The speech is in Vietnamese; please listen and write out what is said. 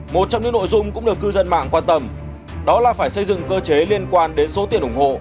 một trong những nội dung cũng được cư dân mạng quan tâm đó là phải xây dựng cơ chế liên quan đến số tiền ủng hộ